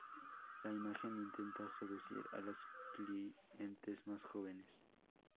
La imagen intenta seducir a los clientes más jóvenes.